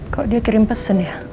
kok dia kirim pesan ya